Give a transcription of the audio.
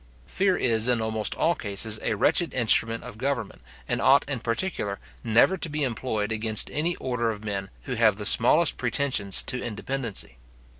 Fear is in almost all cases a wretched instrument of govermnent, and ought in particular never to be employed against any order of men who have the smallest pretensions to independency.